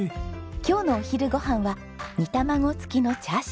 今日のお昼ご飯は煮卵付きのチャーシュー丼。